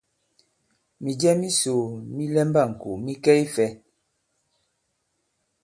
Mìjɛ misò mi lɛmba ì-ŋkò mi kɛ fɛ̄?